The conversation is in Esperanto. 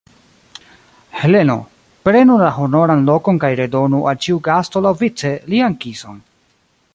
Heleno, prenu la honoran lokon kaj redonu al ĉiu gasto, laŭvice, lian kison!